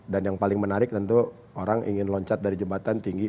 yang paling menarik tentu orang ingin loncat dari jembatan tinggi